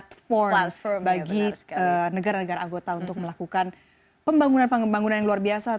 platform bagi negara negara anggota untuk melakukan pembangunan pembangunan yang luar biasa